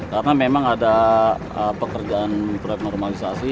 karena memang ada pekerjaan proyek normalisasi